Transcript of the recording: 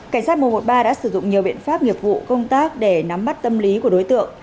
cảnh sát một trăm một mươi ba đã sử dụng nhiều biện pháp nghiệp vụ công tác để nắm bắt tâm lý của đối tượng